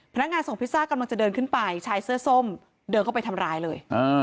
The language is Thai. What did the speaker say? พนักงานส่งพิซซ่ากำลังจะเดินขึ้นไปชายเสื้อส้มเดินเข้าไปทำร้ายเลย